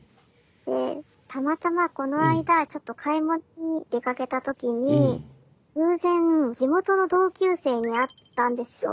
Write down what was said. でたまたまこの間ちょっと買い物に出かけた時に偶然地元の同級生に会ったんですよ。